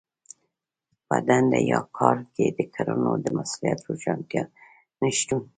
په دنده يا کار کې د کړنو د مسوليت د روښانتيا نشتون.